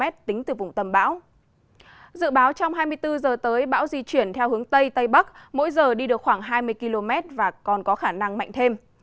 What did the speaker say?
dự báo trong hai mươi bốn h tới bão di chuyển theo hướng tây tây bắc mỗi giờ đi được khoảng hai mươi km và còn có khả năng mạnh thêm